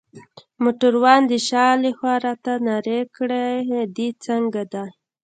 موټروان د شا لخوا راته نارې کړل: دی څنګه دی؟